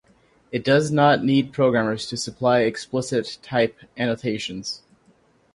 it does not need programmers to supply explicit type annotations